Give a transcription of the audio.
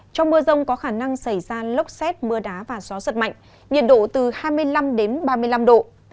trong mưa rông có khả năng xảy ra lốc xét mưa đá và gió giật mạnh nhiệt độ từ hai mươi năm đến ba mươi năm độ